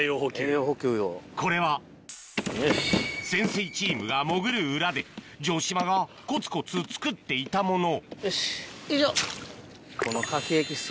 これは潜水チームが潜る裏で城島がコツコツ作っていたものよいしょ。